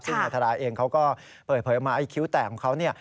ซึ่งนายทาราเองเขาก็เปิดเผยมาคิ้วแตกของเขา